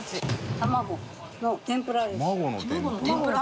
卵の天ぷらです。